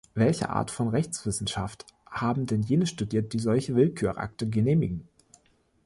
Welche Art von Rechtswissenschaft haben denn jene studiert, die solche Willkürakte genehmigen?